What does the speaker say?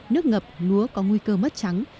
nước ngập lúa có nguy cơ mất trắng